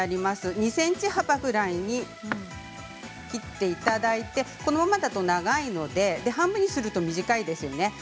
２ｃｍ幅ぐらいに切っていただいてこのままだと長いので半分にします。